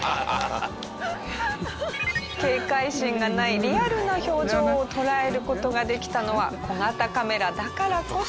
警戒心がないリアルな表情を捉える事ができたのは小型カメラだからこそ。